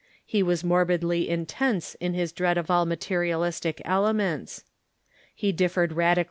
He was morbidly intense in his dread of all materialistic elements. He differed radical!